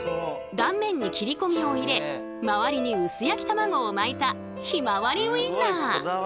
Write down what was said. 断面に切り込みを入れ周りに薄焼き卵を巻いたひまわりウインナー。